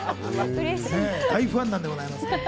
大ファンなんでございます。